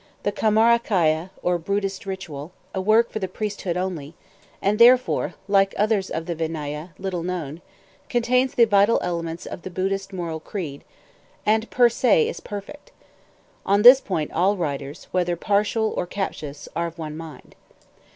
The "Kammarakya," or Buddhist Ritual, a work for the priesthood only, and therefore, like others of the Vinnâyâ, little known, contains the vital elements of the Buddhist Moral Code, and, per se, is perfect; on this point all writers, whether partial or captious, are of one mind.